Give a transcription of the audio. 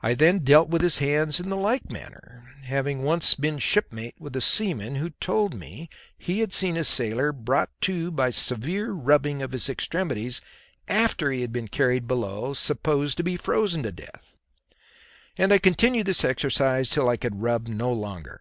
I then dealt with his hands in the like manner, having once been shipmate with a seaman who told me he had seen a sailor brought to by severe rubbing of his extremities after he had been carried below supposed to be frozen to death, and continued this exercise till I could rub no longer.